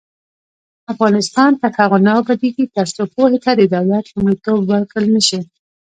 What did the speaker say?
افغانستان تر هغو نه ابادیږي، ترڅو پوهې ته د دولت لومړیتوب ورکړل نشي.